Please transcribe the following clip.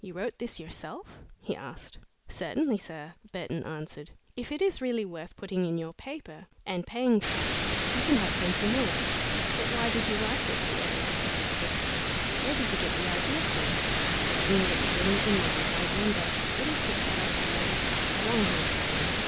"You wrote this yourself?" he asked. "Certainly, sir," Burton answered. "If it is really worth putting in your paper and paying for, you can have plenty more." "But why did you write it?" the editor persisted. "Where did you get the idea from?" Burton looked at him in mild eyed wonder. "It is just what I see as I pass along," he explained.